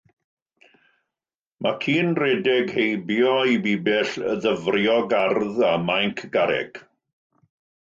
Mae ci yn rhedeg heibio i bibell ddyfrio gardd a mainc garreg.